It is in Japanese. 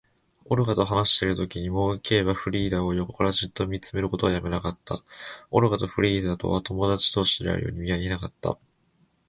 オルガと話しているときにも、Ｋ はフリーダを横からじっと見ることをやめなかった。オルガとフリーダとは友だち同士であるようには見えなかった。